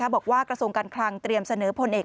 กระทรวงการคลังเตรียมเสนอพลเอก